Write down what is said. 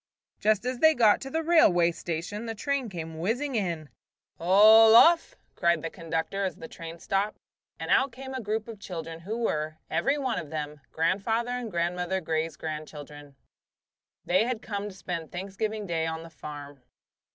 Just as they got to the railway station the train came whizzing in. "All off!" cried the conductor, as the train stopped; and out came a group of children who were, every one of them, Grandfather and Grandmother Grey's grandchildren. They had come to spend Thanksgiving Day on the farm.